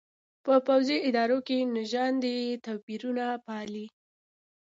په پوځي ادارو کې نژادي توپېرونه پالي.